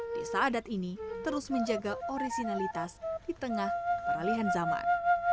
desa adat ini terus menjaga orisinalitas di tengah peralihan zaman